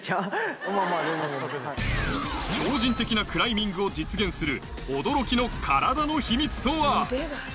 超人的なクライミングを実現する驚きの体の秘密とは？